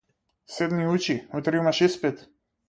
Седни учи, утре имаш испит.